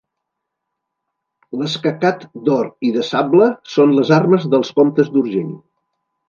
L'escacat d'or i de sable són les armes dels comtes d'Urgell.